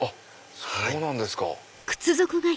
そうなんですか。